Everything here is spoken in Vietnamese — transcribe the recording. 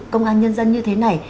công an nhân dân như thế này